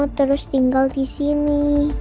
terus tinggal di sini